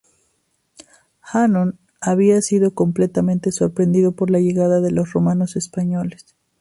Hannón había sido completamente sorprendido por la llegada de los romanos en España.